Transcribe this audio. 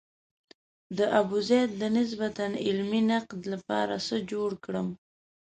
د ابوزید د نسبتاً علمي نقد لپاره څه جوړ کړم.